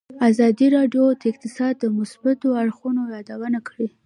ازادي راډیو د اقتصاد د مثبتو اړخونو یادونه کړې.